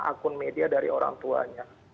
akun media dari orang tuanya